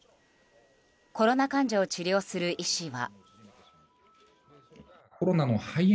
コロナ患者を治療する医師は。